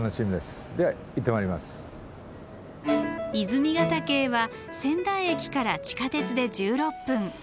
泉ヶ岳へは仙台駅から地下鉄で１６分。